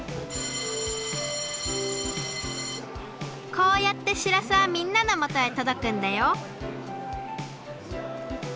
こうやってしらすはみんなのもとへとどくんだよ